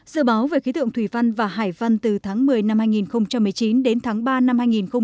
dự báo về khí tượng thủy văn và hải văn từ tháng một mươi năm hai nghìn một mươi chín đến tháng ba năm hai nghìn hai mươi